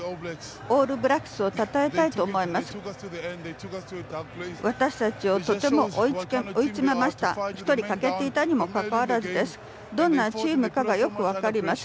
オールブラックスをたたえたいと思います。